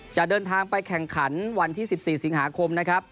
จะเดินทางไปแข่งขันวันที่๑๔สิงหาคมนะครับ